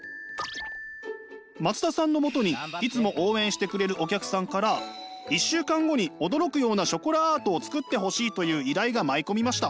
松田さんのもとにいつも応援してくれるお客さんから１週間後に驚くようなショコラアートをつくってほしいという依頼が舞い込みました。